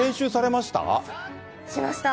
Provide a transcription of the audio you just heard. しました。